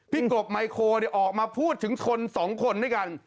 กบไมโคออกมาพูดถึงคนสองคนด้วยกัน